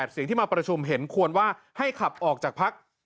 เสียงที่มาประชุมเห็นควรว่าให้ขับออกจากพัก